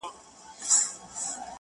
دلته مه راځۍ ښکاري تړلی لام دی -